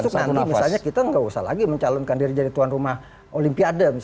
itu nanti misalnya kita nggak usah lagi mencalonkan diri jadi tuan rumah olimpiade